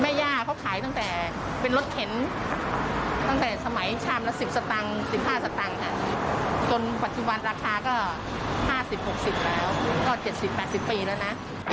แม่ย่าเขาขายตั้งแต่เป็นรถเข็นตั้งแต่สมัยช้ำละสิบสตรังสิบห้าสับตังค่ะจนปัจจุบันราคาก็ห้าสิบหกสิบแล้วก็เจ็ดสิบแบบสิบปีแล้วนะ